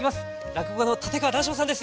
落語家の立川談笑さんです！